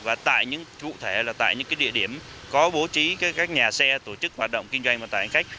và tại những chủ thể là tại những địa điểm có bố trí các nhà xe tổ chức hoạt động kinh doanh vận tải hành khách